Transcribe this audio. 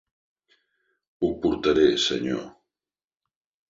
Ho portaré, senyor.